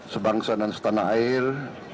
sebangsa dan setanah air